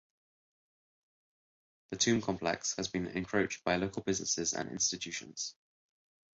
The tomb complex has been encroached by local businesses and institutions.